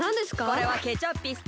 これはケチャッピストル！